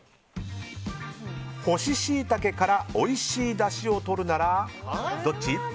干しシイタケからおいしいだしをとるならどっち？